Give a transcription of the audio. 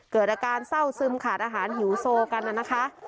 เกิดอาการเศร้าซึมขาดอาหารหิวโซกันน่ะนะคะ